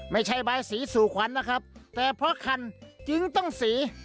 ไม่ใช่ใบสีสู่ขวัญนะครับแต่เพราะคันจึงต้องสี